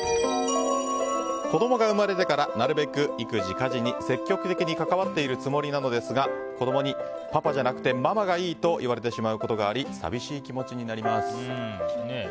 子供が生まれてからなるべく育児・家事に積極的に関わっているつもりなのですが子供にパパじゃなくてママがいいと言われてしまうことがあり寂しい気持ちになります。